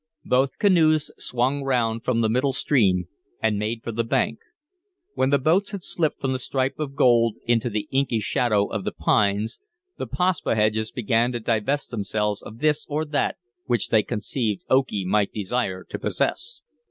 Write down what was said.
Both canoes swung round from the middle stream and made for the bank. When the boats had slipped from the stripe of gold into the inky shadow of the pines, the Paspaheghs began to divest themselves of this or that which they conceived Okee might desire to possess.